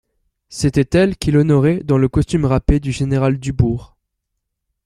C'était elle qu'il honorait dans le costume râpé du général Dubourg.